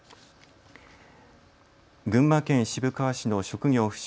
群馬県渋川市の職業不詳